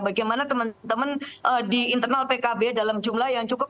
bagaimana teman teman di internal pkb dalam jumlah yang cukup